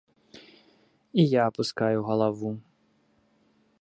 І я апускаю галаву.